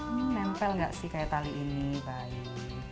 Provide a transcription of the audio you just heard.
ini nempel gak sih kayak tali ini baik